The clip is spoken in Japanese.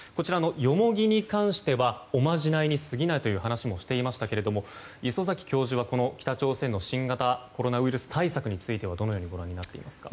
ヨモギに関してはおまじないに過ぎないという話もしていましたけど礒崎教授はこの北朝鮮の新型コロナウイルス対策についてどのようにご覧になっていますか？